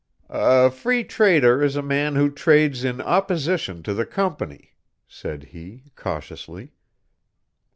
"A Free Trader is a man who trades in opposition to the Company," said he, cautiously.